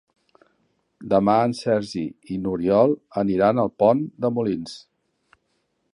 Demà en Sergi i n'Oriol aniran a Pont de Molins.